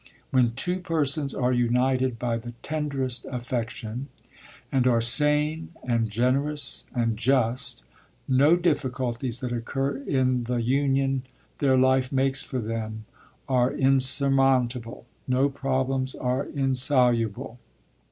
When two persons are united by the tenderest affection and are sane and generous and just, no difficulties that occur in the union their life makes for them are insurmountable, no problems are insoluble."